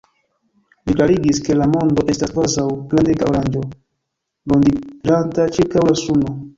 Li klarigis, ke la mondo estas kvazaŭ grandega oranĝo, rondiranta ĉirkaŭ la suno.